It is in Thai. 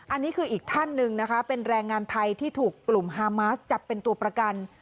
อันนี้คืออีกท่านหนึ่งนะคะเป็นแรงงานไทยที่ถูกกลุ่มฮามาสจับเป็นตัวประกัน